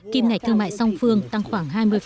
kim ngạch thương mại song phương tăng khoảng hai mươi